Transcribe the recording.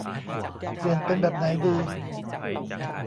เปลี่ยนเป็นแบบไหนดี